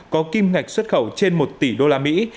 có kim ngạch xuất khẩu trên một tỷ đô la mỹ